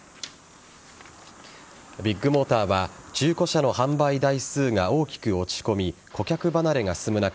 ビッグモーターは中古車の販売台数が大きく落ち込み顧客離れが進む中